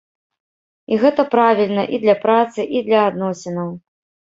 І гэта правільна і для працы, і для адносінаў.